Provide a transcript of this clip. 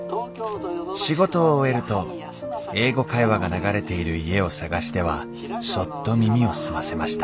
仕事を終えると「英語会話」が流れている家を探してはそっと耳を澄ませました